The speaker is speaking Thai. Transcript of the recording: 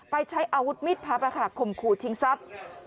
ไปใช้อาวุธมิตรพาประขาคขมขูดทิ้งทรัพย์